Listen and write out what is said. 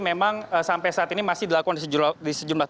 memang sampai saat ini masih dilakukan di sejumlah